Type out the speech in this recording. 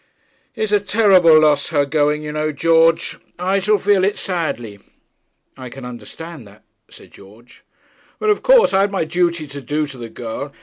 'It's a terrible loss her going, you know, George; I shall feel it sadly.' 'I can understand that,' said George. 'But of course I had my duty to do to the girl.